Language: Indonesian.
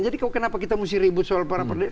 jadi kenapa kita harus ribut soal perapa perdiri